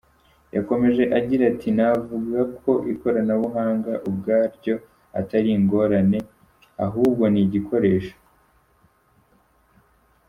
Yakomeje agira ati “Navuga ko ikoranabuhanga ubwaryo atari ingorane, ahubwo ni igikoresho.